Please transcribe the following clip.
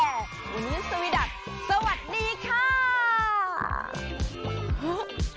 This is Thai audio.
วันนี้สวิดักสวัสดีค่ะ